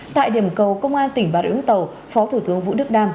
tại điểm cầu công an tỉnh bà rưỡng tàu phó thủ tướng vũ đức đam